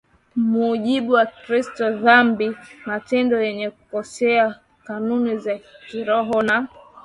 mujibu wa Kristo dhambi matendo yenye kukosea kanuni za kiroho na